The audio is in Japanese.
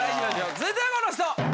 続いてはこの人！